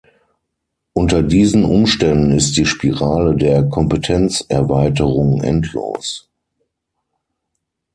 Unter diesen Umständen ist die Spirale der Kompetenzerweiterung endlos.